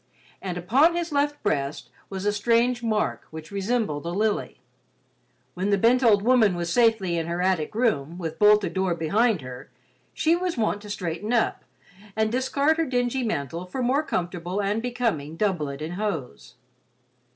And upon his left breast was a strange mark which resembled a lily. When the bent old woman was safely in her attic room, with bolted door behind her, she was wont to straighten up, and discard her dingy mantle for more comfortable and becoming doublet and hose.